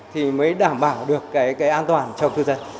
thì mới đảm bảo được cái an toàn cho cư dân